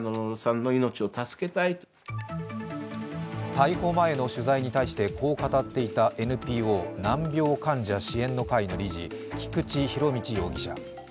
逮捕前の取材に対してこう語っていたＮＰＯ法人・難病患者支援の会の理事・菊池仁達容疑者。